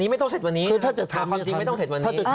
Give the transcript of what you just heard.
ไม่ต้องเสร็จวันนี้ถามความจริงไม่ต้องเสร็จวันนี้